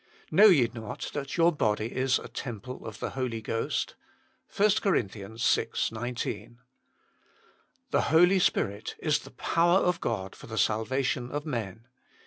Know ye not that your body is a temple of the Holy Ghost ?" 1 Con. vi. 19. The Holy Spirit is the power of God for the salvation of men.